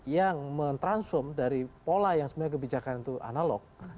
yang mentransform dari pola yang sebenarnya kebijakan itu analog